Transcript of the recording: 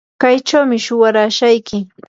kaychawmi shuwarashayki.